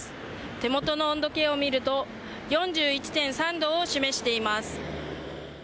手元の温度計を見ると４１．３度を示しています。